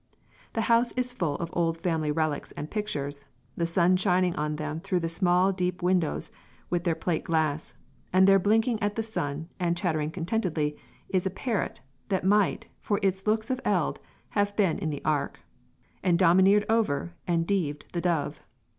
The house is full of old family relics and pictures, the sun shining on them through the small deep windows with their plate glass; and there, blinking at the sun and chattering contentedly, is a parrot, that might, for its looks of eld, have been in the ark, and domineered over and deaved the dove.